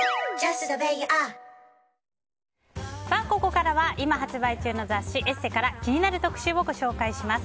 ここからは今発売中の雑誌「ＥＳＳＥ」から気になる特集をご紹介します。